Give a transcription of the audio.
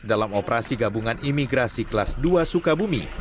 dalam operasi gabungan imigrasi kelas dua sukabumi